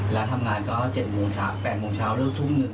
แล้วทำงานก็เจ็ดโมงเช้าแปดโมงเช้าเริ่มทุ่มหนึ่ง